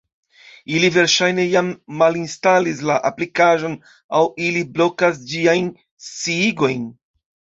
Ili verŝajne jam malinstalis la aplikaĵon, aŭ ili blokas ĝiajn sciigojn.